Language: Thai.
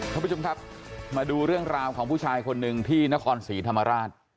ท่านผู้ชมครับมาดูเรื่องราวของผู้ชายคนหนึ่งที่นครศรีธรรมราช